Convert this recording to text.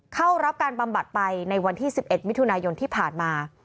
เข้ารับการบำบัดไปในวันที่๑๑มิถุนายนที่ผ่านมา